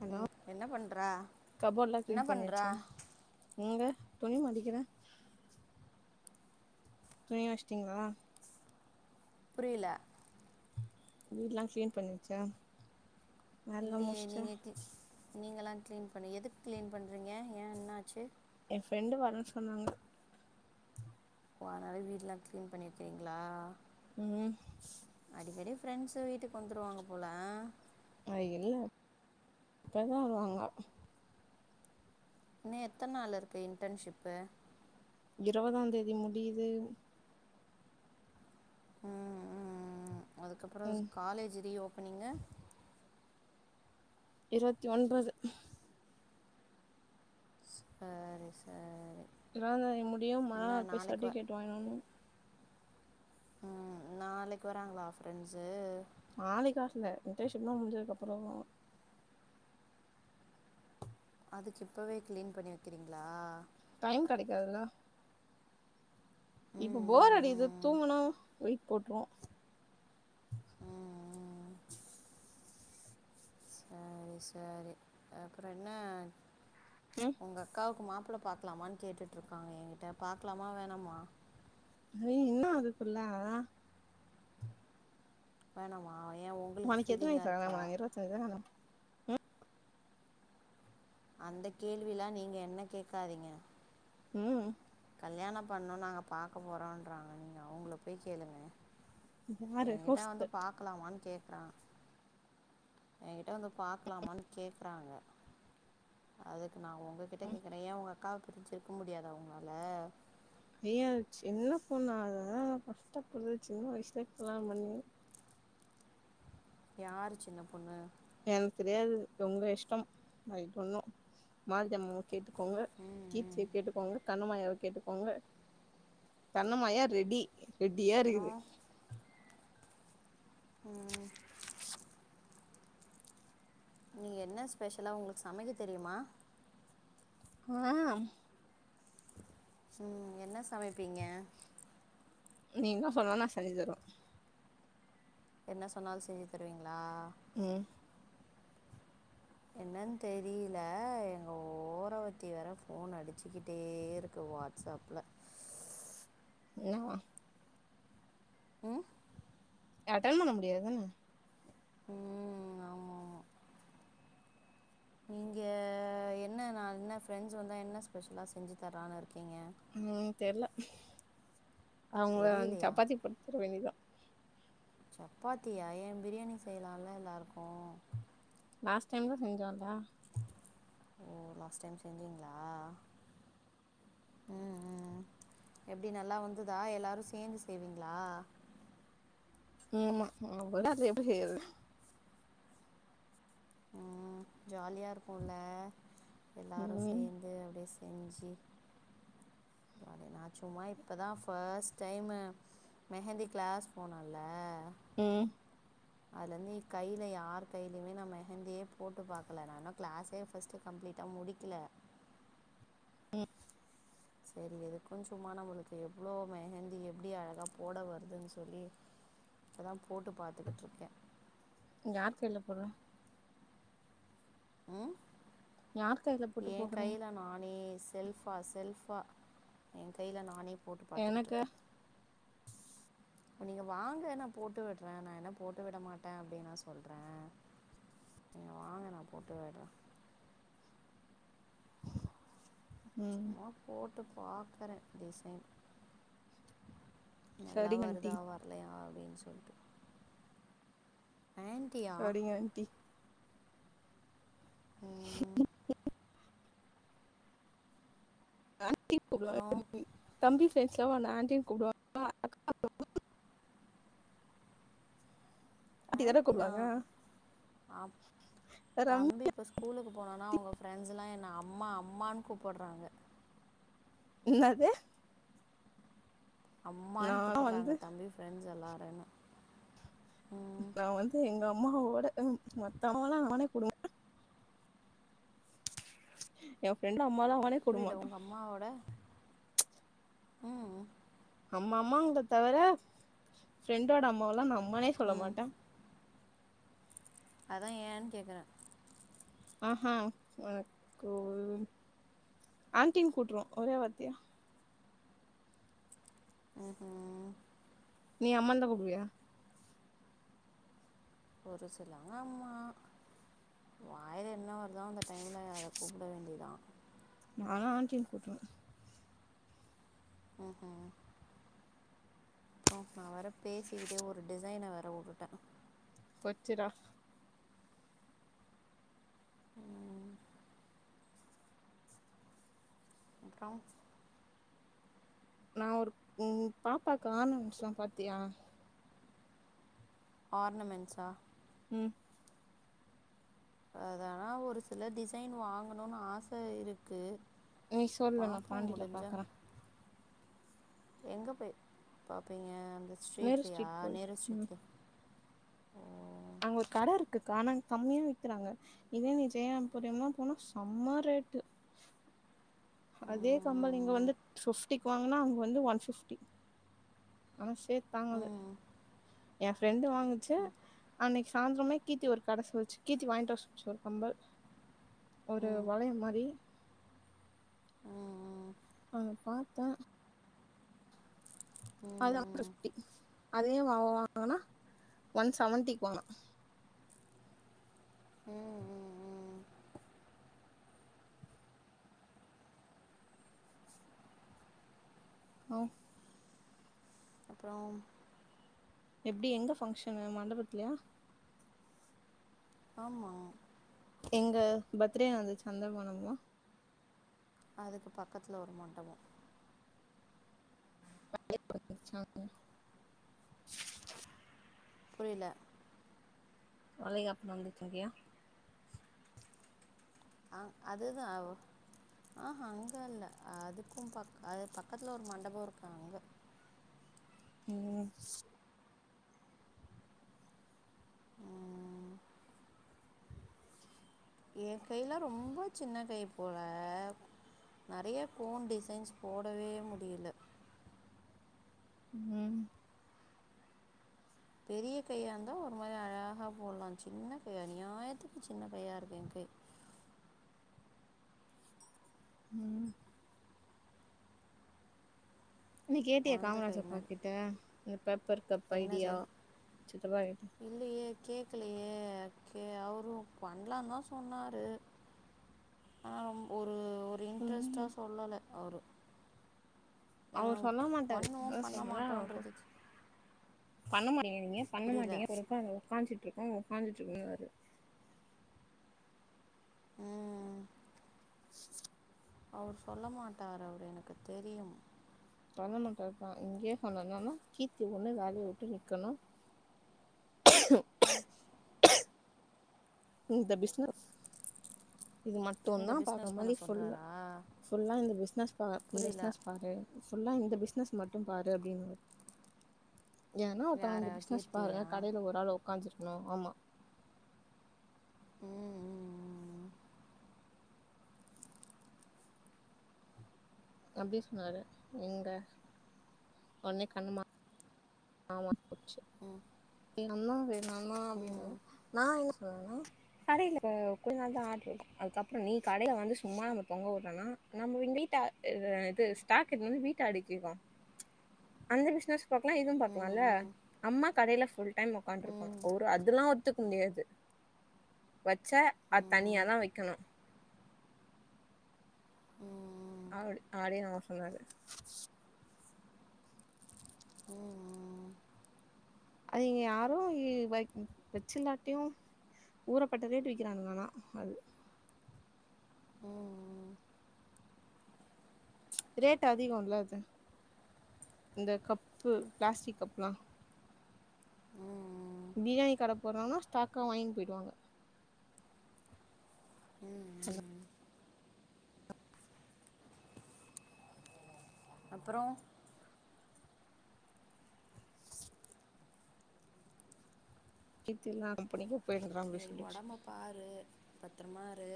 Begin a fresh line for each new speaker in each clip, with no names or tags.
Hello
என்ன பண்ணுறா
கபோர்ட்லா
என்ன
க்ளீன்
பண்ணுறா
பண்ணியாச்சு உங்க துணி மடிக்கிறே துணிவஷ்டிங்ளா
புரியல
வீட்லா கிளீன் பண்ணியாச்சா வேலலா
இல்லையே
முடிச்சுட்டா
நீங்க க்ளீ நீங்கலா க்ளீன் பண்ணி எதுக்கு க்ளீன் பண்றிங்க ஏ என்னாச்சு
ஏ ஃப்ரெண்டு வரேன் சொன்னாங்க
ஓ அதனால வீட்லா க்ளீன் பண்ணி வெக்கிறீங்ளா
உம்
அடிக்கடி ஃபிரெண்ட்ஸ்ஸு வீட்டுக்கு வந்துருவாங்க போலே
அ இல்ல இப்பதா வருவாங்க
இன்னு எத்தன் நாள் இருக்கு இன்டன்ஷிப்பு
இருவதாந்தேதி முடியிது
உம் உஹும் அதுக்கப்புறொவ்
ம்
காலேஜி ரீஓப்பனிங்கு
இருவத்தி ஒன்பது
சேரி சேரி
இருவதாந்தேதி முடியு மறுநாள் பொய்
வ
சர்டிபிகேட் வாய்ன்ட்டுவரனு
உம் நாளைக்கு வராங்களா ஃப்ரெண்ட்சு
நாளைக்கு ஆட்ல இன்டர்ன்ஷிப்லா முடிஞ்சதுக்கு அப்றோ
அதுக்கு இப்பவே கிளீன் பண்ணி வைக்கிறீங்களா
டைம் கிடைக்காதுல இப்ப
ம்
போர்
ம்
அடிக்குது
ம்
தூங்கணு ஒய் போட்ரு
உம் உம் சாரி சாரி அப்றோ என்ன
ம்
உங்க அக்காவுக்கு மாப் புள பாக்லாமான் கேட்டுட்டு இருக்காங்க எங்கிட்ட பாக்லாமா வேணாமா
ஏ இன்னு அதுக்குள்ளா
வேணாமா ஏன் உங்களுக்கு
ஒனக்கு எத்தன
ஃபீலிங்கா
வயசுல கல்யாண
இருக்கா?
பன்னாங்க இருவத்துதஞ்சுல தா [unintelligible]
அந்த கேள்விலா நீங்க என்ன கேக்காதீங்க
உம்
கல்யாணோ பண்ணு நாங்க பாக்க போறோன்றாங்க நீங்க அவ்ங்கள போய் கேளுங்க
யாரு கூஸ் தட்
ஆ எங்கிட்ட வந்து பாக்லாமான் கேக்குறாங்க அதுக்கு நா ஒங்ககிட்ட கேட்கற ஏ ஒங்க அக்காக்கு புரிஞ்சுக்க முடியாதா உங்களால் ல
ஐயோ அது சின்ன பொன்னு அதுத கஸ்டபடுது சின்ன வயசுலே கல்யாணோ பண்ணி
யாரு சின்ன பொண்ணு
எனக்கு தெரியாது ஒங்க இஷ்டோம் ஐ டோன் நோ வய்யமூடு கேட்டுக்கோங்க
ம்.
கீர்திய கேட்டுக்கோங்க கண்ணமாயவ கேட்டுக்கோங்க தன்னமாயா ரெடி ரெடியா இருக்குது
அப்புறம்? ம். நீ என்ன ஸ்பெஷலா உங்களுக்கு சமைக்க தெரிமா
ஆ
உம் என்ன சமைப்பீங்க
நீங்ளா சொன்னா நா செஞ்சு தருவ
என்ன சொன்னாலு செஞ்சு தருவீங்க
உம்
என்னன் தெரியல எங்க ஓரவத்தி வேற போன் அடிச்சுக்கிட்டே இருக்கு வாட்ஸ்ப்ல
என்னவா
உம்
அட்டன் பண்ண முடியாது தான
உம் ஆமா ஆமா நீங்க என்ன நா என்ன ஃப்ரெண்ட்ஸ் வந்தா என்ன ஸ்பெஷலா செஞ்சு தறான்னு இருக்
அவுங்கள வந்து
தெரியலையா
சப்பாத்தி பொடுத்துட வேண்டிதா
சப்பாத்தியா ஏ பிரியாணி செய்லால்ல எல்லாருக்கு
லாஸ்ட் டைம் தா செஞ்சோல்லா
ஓ லாஸ்ட் டைம் செஞ்சீங்ளா ம் ம் எப்டி நல்லா வந்துதா எல்லாரு சேந்து செய்வீங்ளா
ஆமா [unintelligible] எப்டி செய்யற்து
ஜாலியா இருக்குல எல்லாரு
ம்
சேந்து அப்டே செஞ்சி [unintelligible] நா இப்பதா ஃபஸ்ட் டைமு மெஹந்தி க்ளாஸ் போனல
ம்
அதுலருந்தே கைல யாரு கையியுமே நா மெஹந்தியே போட்டு பாக்கல நா இன்னு க்ளாஸே ஃபஸ்ட்டு கம்ப்ளீட்டா முடிக்கில
ம்
செரி இது கொஞ்சுமா நம்புளுக்கு எவ்ளோ மெஹந்தி எப்டி அழகா போட வருதுன் சொல்லி இப்பதா போட்டு பாத்துக்கிட்ருக்கே
யார் பேர்ல போட்லா
ம்
யார் கையில போட்டு
என
போக்குறீங்க
கைல நானே செல்பா செல்ஃப் ம் எ கைல நானே போட்டு
எனக்கா
பாத்துக்கிட்ருக்கே நீங்க வாங்க நா போட்டு விட்றே நா என்ன போட்டு விட மாட்டே அப்டினா சொல்றே நீங்க வாங்க நா போட்டு விட்றே
ம்
சும்மா போட் டு பாக்கறே டிசைன் நல்லா
சரிங்க ஆண்டி
வருதா வர்லையா அப் டின் சொல்ட்டு
செரிங்க ஆன்ட்டி
அப்புறம்
[inaudible] தம்பி [inaudible] [unintelligible] டி தான
ஆன்ட்டி
கூப்டுவாங்க
தான் அப் தம்பி இப்ப ஸ்கூலுக்கு போனானா அவுங்க ப்ரெண்ஸெல்லா என்ன அ ம்மா அம்மான் கூப்பட்றாங்க
இன்னாது
அம்மான் கூப்புட்றாங்க
வந்து
தம்பி ஃப்ரெண்ஸ் எல்லாரு என்ன
நா வந்து எங்க அம்மாவோட ம் மத்த அம்மாலா அம்மானே கூப்ட மாட்ட எ ப்ரெண் நம்மெல்லா ஒரே குடும்போ
புரியல உங்கள் அம்மாவோட
[inaudible]
ம்
நம்ம அம்மாங்ள தவிர ப்ரெண்டோட அம்மாவெல்லா நா அம்மானே சொல்ல மாட்டே
அதா ஏன் கேக்குறே
ஆஹா ஆ குவு ஆன்ட்டின்னு கூட்டுறோ ஒரே வார்த்தயா
ம் ஹும்
நீ அம்மான்னு தான் கூப்டுவியா
ஒரு சிலாங்க அம்மா வாயில என்ன வருதோ அந்த டைம்ல அத கூப்ட வேண்டியதா
நால்லா ஆன்ட்டின்னு கூப்டுறுவே
ம் ஹு ஓ நா வேற பேசிகிட்டே ஒரு டிசைன வேற வுட்டுட்டே
பொச்சிரா
ம் அப்றோ
நா ஒரு ம் பாப்பாக்கு ஆன்னு சொன் பாத்தியா
ஆர்னமென்ஸ்ஸா
ம்
அதனா ஒரு சில டிசைன் வாங்கணு ஆச இருக்கு
நீ சொல்லு நா பாண்டில பாக்கற
எங்க போய் பாப்பீங்க அந்த
நேரு
ஸ்ட்ரீட்லயா
ஸ்ட்ரீட் போய்
நேரு
ம்
ஸ்ட்ரீட்ல ஓ
அங்க ஒரு கடைருக்கு ஆனா கம்மி விக்கிறாங்க இதே ஜெய [unintelligible] போனா செம்ம ரேட்டு அதே கம்மல் இங்க
ம்
வந்து ஃபிஃப்டிக்கு வாங்குனா அங்க வந்து ஒன் ஃபிஃப்டி மனசு சே தாங்கல
ம்
என் ஃப்ரெண்ட் வாங் குச்சு அன்னை சாந்திரமே கீத்தி ஒரு கட சொல்ச்சு கீர்த்தி வாங்கிட்டு வர சொல்ச்சு ஒரு கம்மல் ஒரு
ம்
வளைய மாரி
ம் ம்
அங்க பாத்தே அதுதா [unintelligible]
ம்
ஃபிஃப்டி அதே அவா வாங்னா ஒன் செவன்டிக்கு வாங்ணா
ம் ம் ம்
ஔஃ
அப்றோ
எப்டி எங்க ஃபங்ஷனு மண்டபத்துலயா
ஆமா
எங்க பர்த்டே நடந்துச்சு அந்த மண்டபம
அதுக்கு பக்கத்துல ஒரு மண்டப
[unintelligible]
புரியில்ல
வளைகாப்பு நடந்துச்சு அங்கயா
அங் அதுதா ஆஹ அங்க இல்ல அதுக்கு பக் அது பக்கத்துல ஒரு மண்டப இருக்கு அங்க
ம்
ம் என் கைலா ரொம்ப சின்ன கை போல நறைய கோன் டிசைன்ஸ் போடவே முடில
ம்
பெரிய கையா இந்தா ஒரு மாரி அழகா போடலா சின்ன கை அநியாயத்துக்கு சின்ன கையா இருக்கு என் கை
ம்ம் நீ கேட்டிய
கொழந்த கை
காமராஜப்பா
மாரி
கிட்ட இந்த பேப்பர் கப் ஐடியா
என்னது
சித்தப்பா கேட்ட
லயே கே அவரு பண்லா தா சொன்னாரு ஆனா ஒரு ஒரு ஒரு இன்ட்ரெஸ்ட்டா
ம்
சொல்லல அவரு
அவர் சொல்ல மாட்டாரு அத
பண்ணுவோம் பண்ண
சொல்ல [unintelligible]
மாட்டோன்றது
பண்ணமாடிய ங்க பண்ண
புரியல
மாட்டீங்க ஒருக்க அது காஞ்சிட்டு இரு ஒக்காஞ்சிட்டு இருந்தாரு
ம் ம் அவர் சொல்ல மாட்டாரு அவரு எனக்கு தெரியும்
பண்ண மாட்டாருதா இங்கயே சொன்ன என்னன்னா கீர்த்தி ஒண்ணு வேலய உட்டு நிக்கணு
ம்
இந்த பிஷ்னஸ் இது
இந்த
மட்டுதா பாக்கற
பிஸ்னஸ் பண்ண
மாரி ஃபுல்லா
சொல்கிறாரா
ஃபுல்லா இந்த பிஸ்னஸ் பா இந்த
புரியல
பிஸ்னஸ் பாரு சொல்லா இந்த பிசினஸ் மட்டு பாரு அப்டின்னு ஏன்னா ஒருத்தவங்க
யாரை
இந்த பிசினஸ் பாருங்க
கீர்த்தியா
கடையில ஒரு ஆல் உக்காஞ்சிருக்கணு ஆமா
ம் ம்
அப்டி சொன்னாரு எங்க ஒனே கண்ணமா ஆமா [unintelligible]
ம்
எங்க அம்மா வேல நானா அப்டின்னு
ம்
நா என் ஆ கடையில கொஞ்ச நாள் தா ஆட்ரு இருக்கு அதுக்கப்புற நீ கடய வந்து சும்மா நம்ம தொங்க விடுறனா நம்ம வீ நீட்டா இத ஷ்டாக் இருக்குபோது நீட்டா அடிக்கிறோ அந்த பிஷினஸ் பாக்லா இது அதுனால
ம்
அம்மா கடயில ஃபுல் டைம் உக்காந்து இருப்பாங்க
ம்
ஒரு அதுல்லா ஒத்து க முடியாது வச்சா
ம்
அது தனியா
ம்
தா வக்கணு
ம்
அப்டி ஆடினு அவசொன்னாறு அது நீங்க யாரு வெச்சு இல்லாட்டியு ஊறப்பட்ட ரேட்டு விக்கிறாங்க ஆனா அது
ம் ம்
ரேட் அதிகல அது இந்த கப் பு பிளாஸ்டிக் கப்லா
ம்
பிரியாணி கட போறவகனா ஸ்டாக்கா வாங்கி போயி்டுவாங்க
ம் ம் அப்பறோ
கீர்த்தில்லா ரெம்ப பிடிக்கு
செரி ஒடம்ப பாரு பத்தரமாரு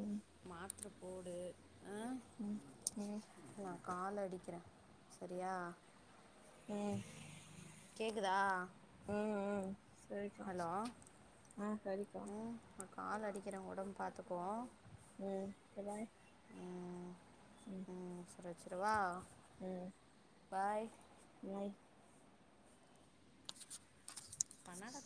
ம்
ஆ
ம் ம்
நா கால் அடிக்கிறே செரியா
ம்
கேக்குதா
ம் ம் சரிக்கா
ஹலோ
ஆ சரிக்கா
ம் கால் அடிக்கிறே ஒடம்பு பாத்துக்கோ
ம் தபாய் ம்
வெச்சிரவா
ம் பாய்
பண்ணாட